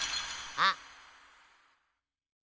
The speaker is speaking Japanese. あっ。